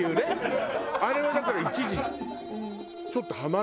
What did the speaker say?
あれはだから一時ちょっとハマった時あった。